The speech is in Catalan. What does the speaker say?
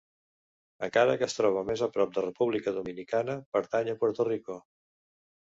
Encara que es troba més a prop de República Dominicana, pertany a Puerto Rico.